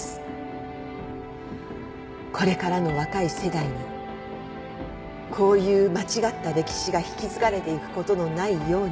「これからの若い世代にこういう間違った歴史が引き継がれていくことのないように」